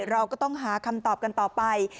เราก็ต้องหาคำตอบกันต่อไป